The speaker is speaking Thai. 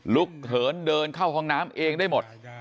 เหินเดินเข้าห้องน้ำเองได้หมด